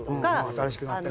新しくなってね。